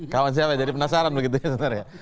kawan siapa jadi penasaran begitu ya